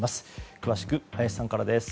詳しく、林さんからです。